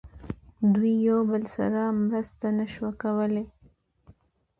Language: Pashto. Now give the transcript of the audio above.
دوی یو له بل سره مرسته نه شوه کولای.